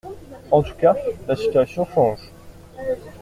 En tous cas, la situation change.